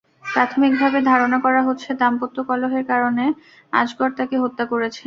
প্রাথমিকভাবে ধারণা করা হচ্ছে, দাম্পত্য কলহের কারণে আজগর তাঁকে হত্যা করেছেন।